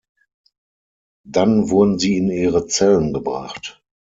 Dann wurden sie in ihre Zellen gebracht.